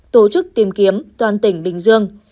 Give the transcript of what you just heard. tổ chức tìm kiếm toàn tỉnh bình dương